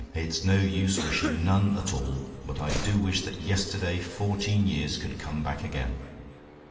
It's no use wishing none at all: but I do wish that yesterday fourteen years could come back again.